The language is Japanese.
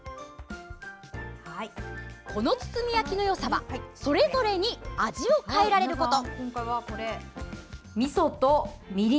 この包み焼きのよさはそれぞれに味を変えられること。